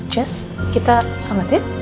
jess kita sholat ya